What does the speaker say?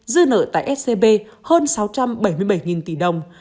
dư nợ tại scb hơn sáu trăm bảy mươi năm đồng